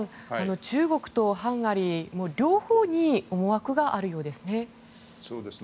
中国とハンガリー、両方に思惑があるようですね。